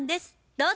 どうぞ。